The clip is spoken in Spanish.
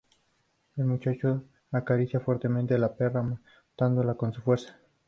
El muchacho acaricia fuertemente a la perra, matándola con su fuerza.